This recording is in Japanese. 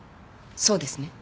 そうですね？